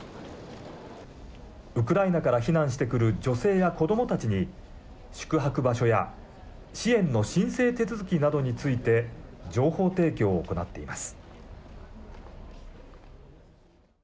ウクライナから避難してくる女性や子どもたちに宿泊場所や支援の申請手続きなどについて情報提供を行っています。